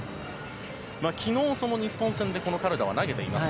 昨日、日本戦でカルダは投げています。